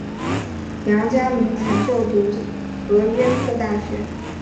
梁嘉铭曾就读和约克大学。